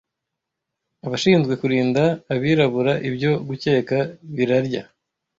abashinzwe kurinda abirabura ibyo gukeka birarya